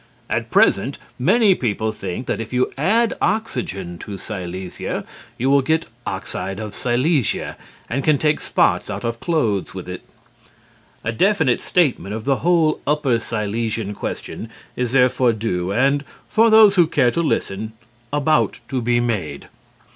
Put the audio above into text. At present many people think that if you add oxygen to Silesia you will get oxide of silesia and can take spots out of clothes with it. A definite statement of the whole Upper Silesian question is therefore due, and, for those who care to listen, about to be made.